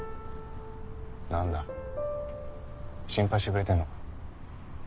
何だ心配してくれてんの？